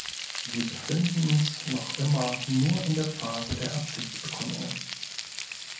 Wir befinden uns noch immer nur in der Phase der Absichtsbekundungen.